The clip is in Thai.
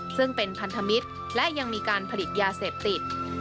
ซึ่งเป็นพันธมิตรและยังมีการผลิตยาเสพติด